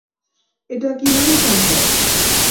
এটা কিভাবে সম্ভব?